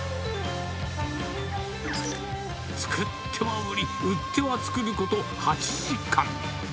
作っては売り、売っては作ること８時間。